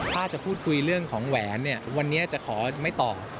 ถ้าจะพูดคุยเรื่องของแหวนเนี่ยวันนี้จะขอไม่ตอบ